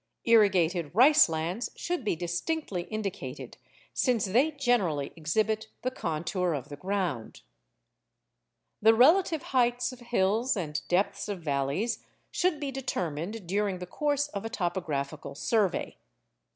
Irrigated rice lands should be distinctly indicated, since they generally exhibit the contour of the ground. The relative heights of hills and depths of valleys should be determined during the course of a topographical survey.